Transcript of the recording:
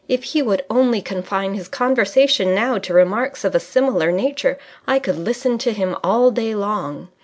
If he would only confine his conversation now to remarks of a similar nature, I could listen to him all day long.